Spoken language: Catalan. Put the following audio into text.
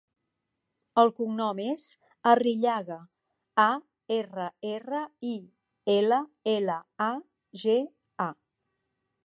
El cognom és Arrillaga: a, erra, erra, i, ela, ela, a, ge, a.